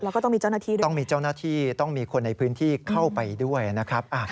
แล้วก็ต้องมีเจ้าหน้าที่ด้วยต้องมีเจ้าหน้าที่ต้องมีคนในพื้นที่เข้าไปด้วยนะครับ